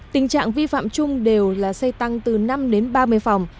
tình trạng vi phạm chung đều là xây tăng từ năm đến ba mươi phòng